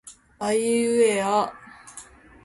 あいうえあ